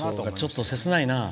ちょっと切ないな。